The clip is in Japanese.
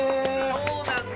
そうなんだ。